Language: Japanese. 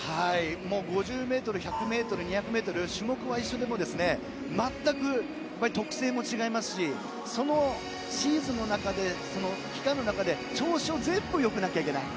５０ｍ１００ｍ、２００ｍ種目は一緒でも全く特性も違いますしそのシーズンの中で期間の中で調子が全部よくないといけない。